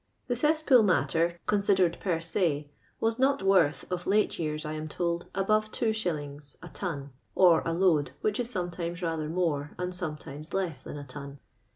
The Cfs ^iiool matter, coiisiJtreJ ncr se, was not wovlh, of late }\;ars, I am toUl, above il«. a ton (or a load, which is soinetiines rather more and sometimes less than a ton).